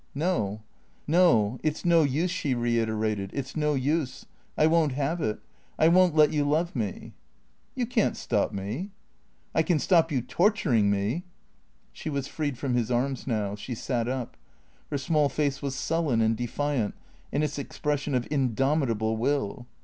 " No, no. It 's no use," she reiterated ;" it 's no use. I won't have it. I won't let you love me." " You can't stop me." " I can stop you torturing me !" She was freed from his arms now. She sat up. Her small face was sullen and defiant in its expression of indomitable will.